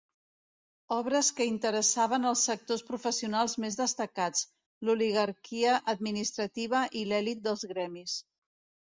Obres que interessaven els sectors professionals més destacats, l'oligarquia administrativa i l'elit dels gremis.